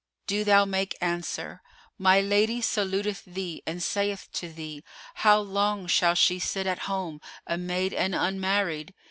do thou make answer, My lady saluteth thee and saith to thee, how long shall she sit at home, a maid and unmarried?